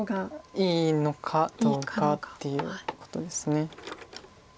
いいのかどうかっていうことです。